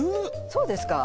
そうですか？